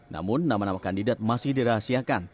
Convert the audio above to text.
namun nama nama kandidat masih dirahasiakan